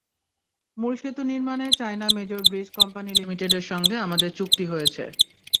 মূল সেতু নির্মাণে চায়না মেজর ব্রিজ কোম্পানি লিমিটেডের সঙ্গে আমাদের চুক্তি হয়েছে।